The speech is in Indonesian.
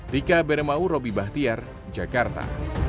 dika benamau robby bahtiar jakarta